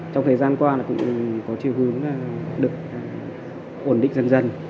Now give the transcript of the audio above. trong thời gian qua cũng có chiều hướng được ổn định dần dần